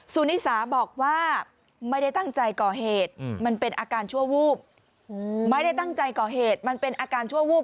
สูณศาบอกว่าไม่ได้ตั้งใจก่อเหตุมันเป็นอาการชั่ววูบ